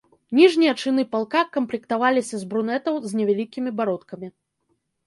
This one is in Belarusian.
Ніжнія чыны палка камплектаваліся з брунетаў з невялікімі бародкамі.